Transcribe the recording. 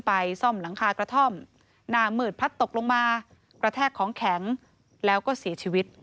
พยายามให้พยายามตาย